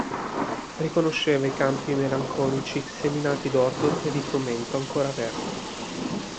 Riconosceva i campi melanconici seminati d'orzo e di frumento ancora verde.